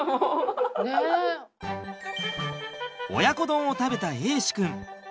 親子丼を食べた瑛志くん。